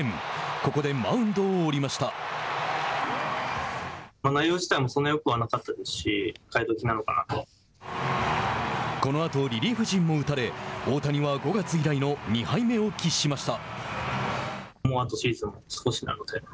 このあとリリーフ陣も打たれ大谷は５月以来の２敗目を喫しました。